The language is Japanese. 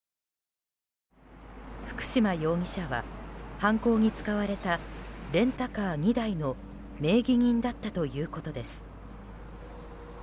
福島容疑者は犯行に使われたレンタカー２台の名義人だったということです。